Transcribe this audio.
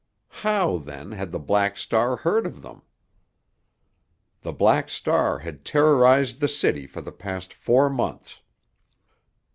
How, then, had the Black Star heard of them? The Black Star had terrorized the city for the past four months.